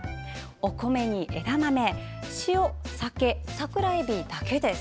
お米に枝豆、塩、酒桜えびだけです。